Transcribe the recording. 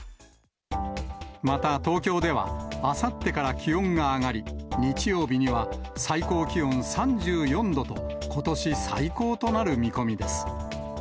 また東京では、あさってから気温が上がり、日曜日には最高気温３４度と、ことし最高となる見込みです。